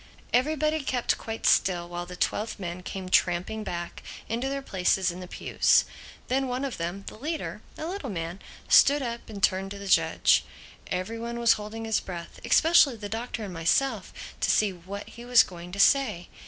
Everybody kept quite still while the twelve men came tramping back into their places in the pews. Then one of them, the leader—a little man—stood up and turned to the judge. Every one was holding his breath, especially the Doctor and myself, to see what he was going to say.